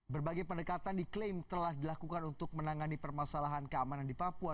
berbagai pendekatan diklaim telah dilakukan untuk menangani permasalahan keamanan di papua